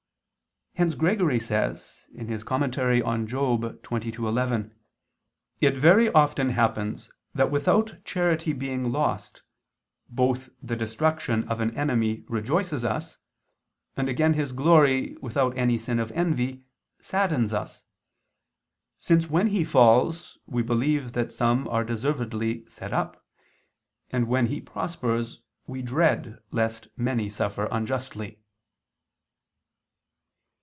Hence Gregory says (Moral. xxii, 11): "It very often happens that without charity being lost, both the destruction of an enemy rejoices us, and again his glory, without any sin of envy, saddens us, since, when he falls, we believe that some are deservedly set up, and when he prospers, we dread lest many suffer unjustly."